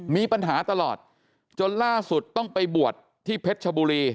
มีปัญหาตลอดจนล่าสุดต้องไปบวชที่เพชรชบุรี